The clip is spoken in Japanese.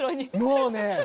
もうね！